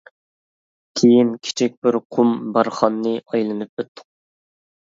كېيىن كىچىك بىر قۇم بارخاننى ئايلىنىپ ئۆتتۇق.